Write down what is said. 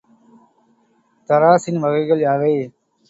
தராசின் வகைகள் யாவை?